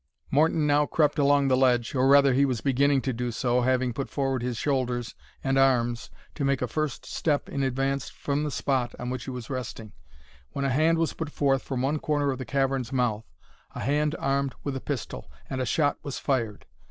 Morton now crept along the ledge, or rather he was beginning to do so, having put forward his shoulders and arms to make a first step in advance from the spot on which he was resting, when a hand was put forth from one corner of the cavern's mouth,—a hand armed with a pistol;—and a shot was fired.